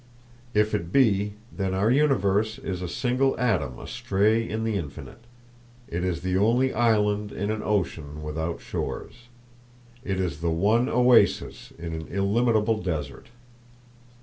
If it be, then our universe is a single atom astray in the infinite; it is the only island in an ocean without shores; it is the one oasis in an illimitable desert.